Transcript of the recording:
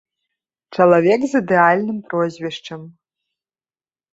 Чалавек з ідэальным прозвішчам.